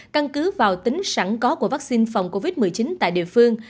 căn cứ vào tính sẵn có của vaccine phòng covid một mươi chín tại địa phương